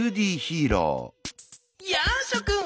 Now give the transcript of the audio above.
やあしょくん！